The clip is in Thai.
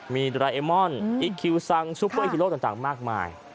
ดราเอมอนอิคคิวซังซุปเปอร์ฮีโร่ต่างมากมาย